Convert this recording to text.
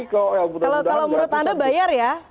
kalau menurut anda bayar ya